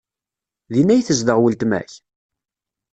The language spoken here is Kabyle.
Din ay tezdeɣ weltma-k?